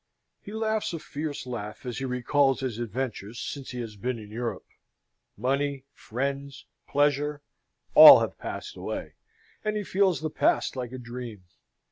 He laughs a fierce laugh as he recalls his adventures since he has been in Europe. Money, friends, pleasure, all have passed away, and he feels the past like a dream.